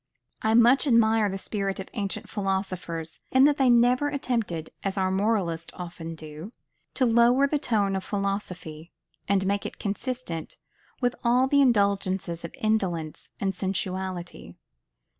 I much admire the spirit of the ancient philosophers, in that they never attempted, as our moralists often do, to lower the tone of philosophy, and make it consistent with all the indulgences of indolence and sensuality.